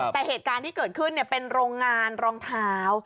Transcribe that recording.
แต่เหตุการณ์ที่เกิดขึ้นเป็นโรงงานรองเท้า